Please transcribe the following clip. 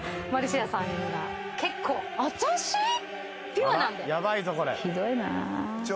ピュアなんで。